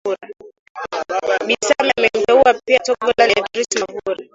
Bi Samia amemteua pia Togolan Edrisss Mavura